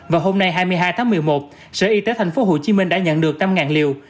và hôm nay hai mươi hai tháng một mươi một sở y tế tp hcm đã nhận được năm liều